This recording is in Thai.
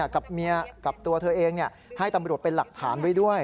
กับเมียกับตัวเธอเองให้ตำรวจเป็นหลักฐานไว้ด้วย